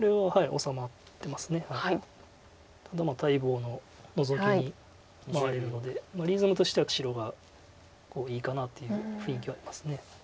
ただ待望のノゾキに回れるのでリズムとしては白がいいかなという雰囲気はあります。